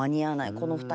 この２人は。